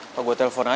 apa gue telepon aja ya